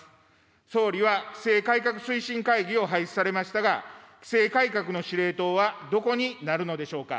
総理は規制改革推進会議を廃止されましたが、規制改革の司令塔はどこになるのでしょうか。